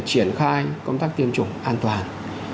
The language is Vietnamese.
triển khai công tác tiêm chủng an toàn